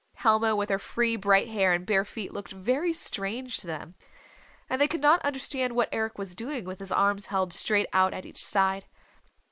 Helma with her free, bright hair and bare feet looked very strange to them. And they could not understand what Eric was doing with his arms held straight out at each side.